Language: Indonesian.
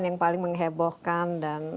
yang paling menghebohkan dan